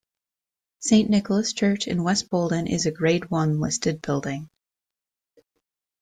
Saint Nicholas Church in West Boldon is a Grade One listed building.